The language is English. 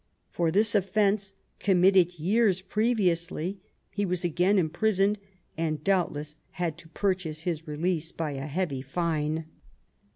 For this offence, committed years previously, he was again imprisoned, and doubtless had to purchase his release by a heavy fine.